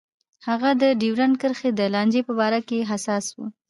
هغه د ډیورنډ کرښې د لانجې په باره کې حساس و.